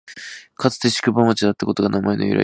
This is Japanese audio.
かつて宿場町だったことが名前の由来です